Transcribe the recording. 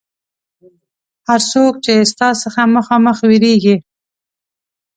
هر څوک چې ستا څخه مخامخ وېرېږي.